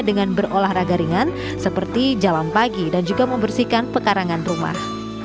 dengan berolahraga ringan seperti jalan pagi dan juga membersihkan pekarangan rumah